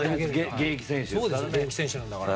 現役選手なんだから。